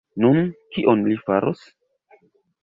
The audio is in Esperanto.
Nun, kion li faros?